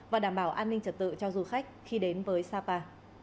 và đảm bảo an ninh trật tự cho du khách khi đến với sapa